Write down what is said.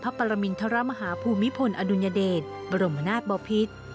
ปรมินทรมาฮภูมิพลอดุลยเดชบรมนาศบอพิษ